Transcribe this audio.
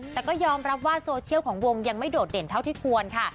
แต่ก็ยอมรับว่าโซเชียลของวงยังไม่โดดเด่นเท่าที่ควรค่ะ